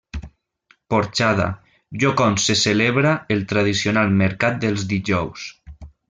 Porxada, lloc on se celebra el tradicional mercat dels dijous.